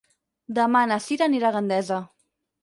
Demà na Sira anirà a Gandesa.